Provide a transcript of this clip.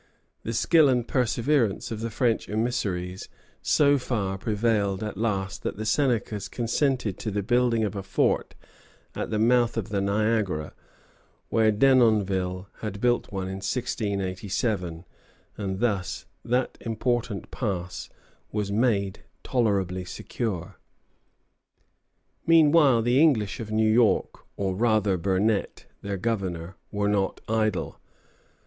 The skill and perseverance of the French emissaries so far prevailed at last that the Senecas consented to the building of a fort at the mouth of the Niagara, where Denonville had built one in 1687; and thus that important pass was made tolerably secure. Meanwhile the English of New York, or rather Burnet, their governor, were not idle.